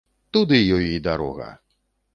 Туды ёй і дарога!